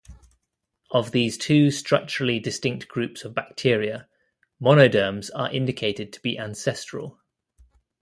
Of these two structurally distinct groups of bacteria, monoderms are indicated to be ancestral.